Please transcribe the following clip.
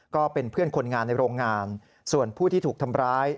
ก็เป็นเพื่อนคนงานในโรงงานส่วนผู้ที่ถูกทำร้าย